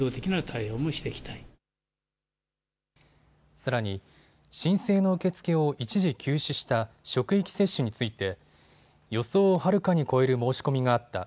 さらに申請の受け付けを一時休止した職域接種について予想をはるかに超える申し込みがあった。